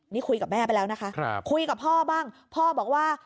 นี่คุยกับแม่ไปแล้วนะคะคุยกับพ่อบ้างพ่อบอกว่า